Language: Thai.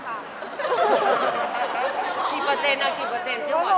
ก็อาจแบบอุยดูเลยเลย